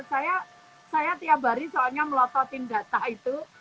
saya tiap hari soalnya melototin data itu